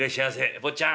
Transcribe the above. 坊ちゃん。